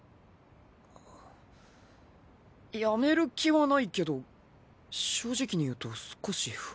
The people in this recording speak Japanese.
やめる気はないけど正直に言うと少し不安。